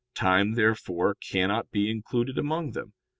Time, therefore, cannot be included among them.